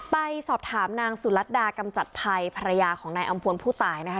ไปสอบถามนางสุรัตดากำจัดภัยภรรยาของนายอำพวนผู้ตายนะคะ